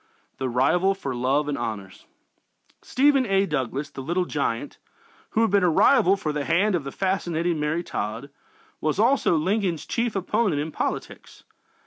THE RIVAL FOR LOVE AND HONORS Stephen A. Douglas, "the Little Giant," who had been a rival for the hand of the fascinating Mary Todd, was also Lincoln's chief opponent in politics.